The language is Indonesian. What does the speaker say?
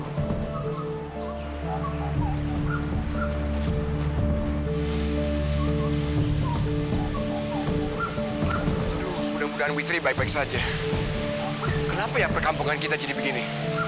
mudah mudahan witri baik baik saja kenapa ya perkampungan kita jadi begini